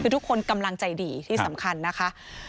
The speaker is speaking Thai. คือทุกคนกำลังใจดีที่สำคัญนะคะ